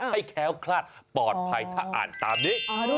แค้วคลาดปลอดภัยถ้าอ่านตามนี้